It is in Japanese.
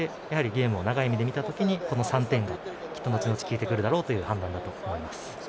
ゲームを長い目で見た時にこの３点がきっと後々きいてくるだろうという判断だと思います。